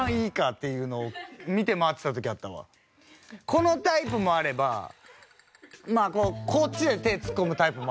このタイプもあればまあこっちで手突っ込むタイプもあれば。